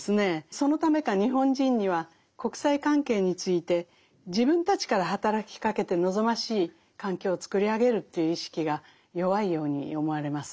そのためか日本人には国際関係について自分たちから働きかけて望ましい環境を作り上げるという意識が弱いように思われます。